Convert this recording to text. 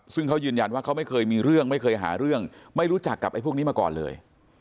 ซึ่งเขายืนยันว่าเขาไม่เคยมีเรื่องไม่เคยหาเรื่องไม่รู้จักกับไอ้พวกนี้มาก่อนเลย